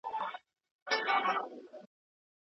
زه مي د رنځونو په زخمي ژبه پوهېږمه